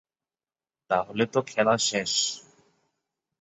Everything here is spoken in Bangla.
তাহলে তো খেলা শেষ।